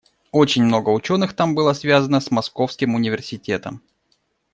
Очень много ученых там было связано с Московским университетом.